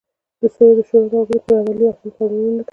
د سولې د شورا مغزونه پر عملي اړخونو پاملرنه نه کوي.